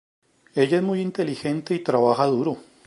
Ella es muy inteligente y trabaja duro.